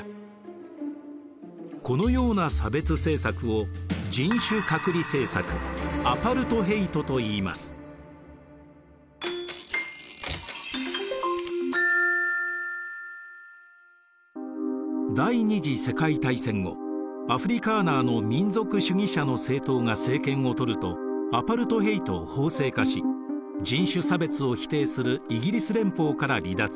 このような差別政策を第二次世界大戦後アフリカーナーの民族主義者の政党が政権を取るとアパルトヘイトを法制化し人種差別を否定するイギリス連邦から離脱。